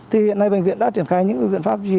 thì hiện nay bệnh viện đã triển khai những biện pháp gì